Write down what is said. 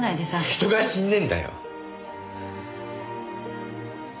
人が死んでんだよ。